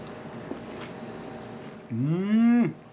うん。